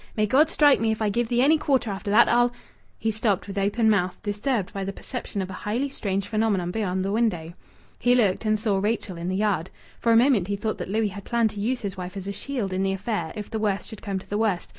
"May God strike me if I give thee any quarter after that! I'll " He stopped with open mouth, disturbed by the perception of a highly strange phenomenon beyond the window. He looked and saw Rachel in the yard. For a moment he thought that Louis had planned to use his wife as a shield in the affair if the worst should come to the worst.